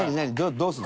どうするの？